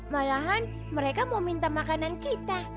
malahan mereka mau minta makanan kita